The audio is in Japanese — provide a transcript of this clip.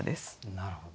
なるほど。